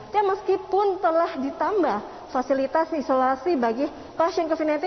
dan meskipun telah ditambah fasilitas isolasi bagi pasien covid sembilan belas